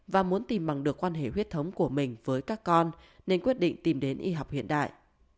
và muốn tìm bằng được quan hệ huyết thống của mình với các con nên quyết định tìm đến y học hiện đại